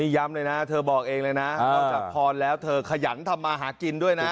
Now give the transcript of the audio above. ย้ำเลยนะเธอบอกเองเลยนะนอกจากพรแล้วเธอขยันทำมาหากินด้วยนะ